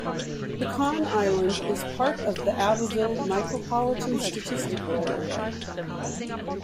Pecan Island is part of the Abbeville Micropolitan Statistical Area.